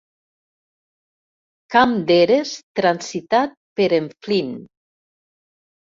Camp d'eres transitat per en Flynn.